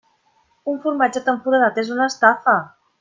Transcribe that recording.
Un formatge tan foradat és una estafa!